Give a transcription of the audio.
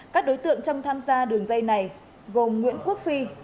các đối tượng trong tham gia đường dây này gồm nguyễn quốc phi